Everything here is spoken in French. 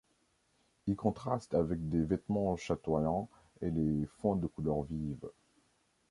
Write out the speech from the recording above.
Ils contrastent avec des vêtements chatoyants et les fonds de couleur vive.